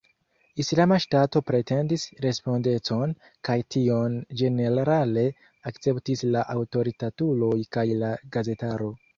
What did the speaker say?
Islama Ŝtato pretendis respondecon, kaj tion ĝenerale akceptis la aŭtoritatuloj kaj la gazetaro.